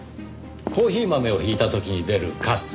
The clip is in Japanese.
コーヒー豆を挽いた時に出るカス。